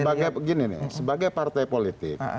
sebagai begini nih sebagai partai politik